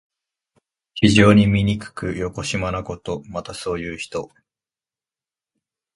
非常にみにくくよこしまなこと。また、そういう人。